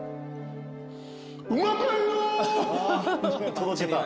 ・届けた。